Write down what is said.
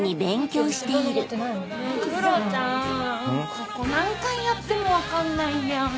ここ何回やっても分かんないんだよね。